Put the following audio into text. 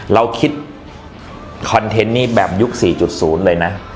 เราคิดคอนเทนต์นี่แบบยุค๔๐เลยนะ